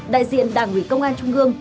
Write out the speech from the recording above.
đại diện đảng ủy công an trung ương